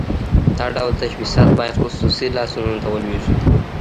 دا ډول تشبثات باید خصوصي لاسونو ته ولویږي.